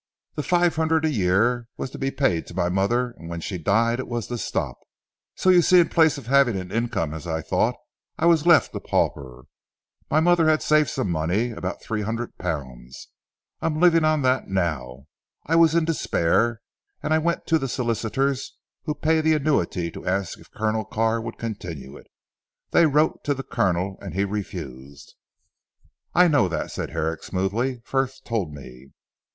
The five hundred a year was to be paid to my mother and when she died it was to stop. So you see that in place of having an income as I thought I was left a pauper. My mother had saved some money about three hundred pounds. I am living on that now. I was in despair, and I went to the solicitors who pay the annuity to ask if Colonel Carr would continue it. They wrote to the Colonel and he refused. "I know that," said Herrick smoothly, "Frith told me."